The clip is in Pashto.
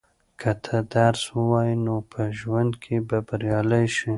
که ته درس ووایې نو په ژوند کې به بریالی شې.